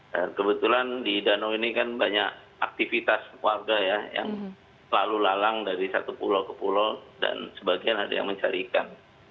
dan kebetulan di danau ini kan banyak aktivitas keluarga ya yang selalu lalang dari satu pulau ke pulau dan sebagian ada yang mencari ikan